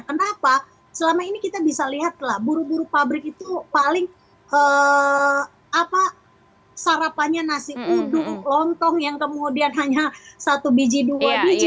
kenapa selama ini kita bisa lihat lah buruh buruh pabrik itu paling sarapannya nasi puduk lontong yang kemudian hanya satu biji dua biji